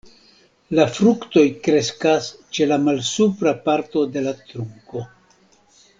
La fruktoj kreskas ĉe la malsupra parto de la trunko.